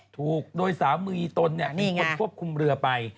ถูกโดยสามีตนเป็นคนควบคุมเรือไป